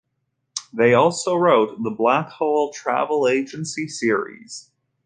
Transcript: They also wrote the Black Hole Travel Agency series.